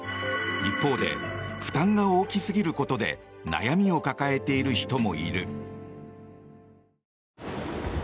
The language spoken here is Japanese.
一方で負担が大きすぎることで悩みを抱えている人もいる。